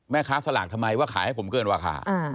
แม่ค้าสลากทำไมว่าขายให้ผมเกินวาคา